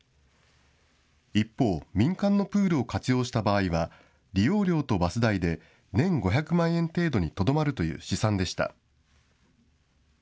一方、民間のプールを活用した場合は、利用料とバス代で年５００万円程度にとどまるという試算でした。